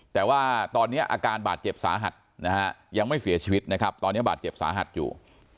แต่ว่าตอนนี้อาการบาดเจ็บสาหัสนะฮะยังไม่เสียชีวิตนะครับตอนนี้บาดเจ็บสาหัสอยู่